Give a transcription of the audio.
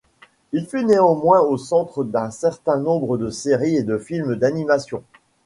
Il fut néanmoins au centre d'un certain nombre de séries et de films d'animation.